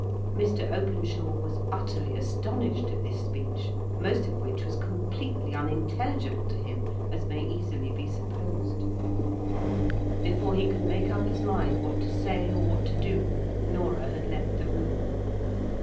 Mr. Openshaw was utterly astonished at this speech; most of which was completely unintelligible to him, as may easily be supposed. Before he could make up his mind what to say, or what to do, Norah had left the room.